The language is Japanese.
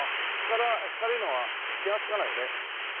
光のは気がつかないね。